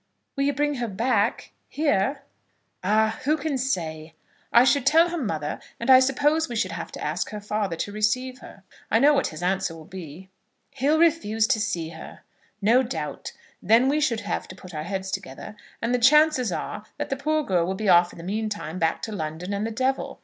"Will you bring her back, here?" "Ah, who can say? I should tell her mother, and I suppose we should have to ask her father to receive her. I know what his answer will be." "He'll refuse to see her." "No doubt. Then we should have to put our heads together, and the chances are that the poor girl will be off in the meantime, back to London and the Devil.